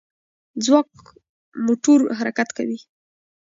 ځواک موټور حرکت کوي.